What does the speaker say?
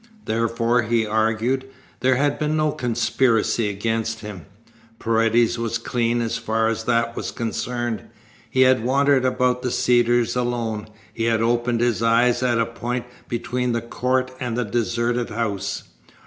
Therefore, he argued, there had been no conspiracy against him. Paredes was clean as far as that was concerned. He had wandered about the Cedars alone. He had opened his eyes at a point between the court and the deserted house.